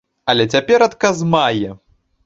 Але цяпер адказ мае.